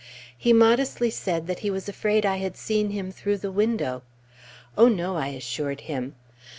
He modestly said that he was afraid I had seen him through the window. Oh, no! I assured him.